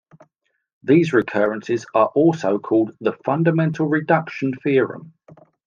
These recurrences are also called the Fundamental Reduction Theorem.